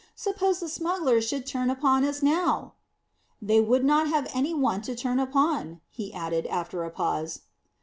Suppose the smugglers should turn upon us now!" "They would not have any one to turn upon," he added, after a pause.